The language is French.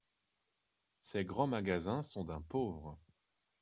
Ces grands magasins sont d'un pauvre !